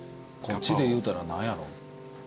こっちで言うたら何やろう。